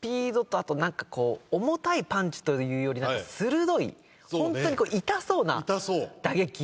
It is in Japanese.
重たいパンチというより鋭いホントに痛そうな打撃。